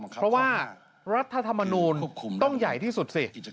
เพราะว่ารัฐธรรมนูลต้องใหญ่ที่สุดสิ